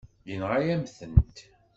Yenɣa-yam-tent.